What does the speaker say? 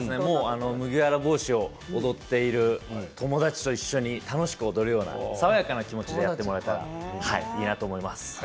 麦わら帽子を踊っている友達と一緒に楽しく踊るような爽やかな気持ちでやってもらえればいいなと思います。